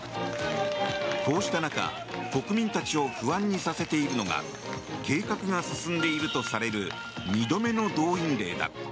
こうした中、国民たちを不安にさせているのが計画が進んでいるとされる２度目の動員令だ。